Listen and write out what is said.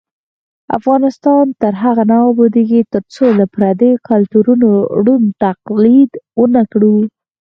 افغانستان تر هغو نه ابادیږي، ترڅو له پردیو کلتورونو ړوند تقلید ونکړو.